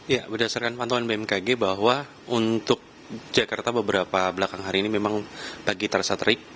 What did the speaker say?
ya berdasarkan pantauan bmkg bahwa untuk jakarta beberapa belakang hari ini memang lagi terasa terik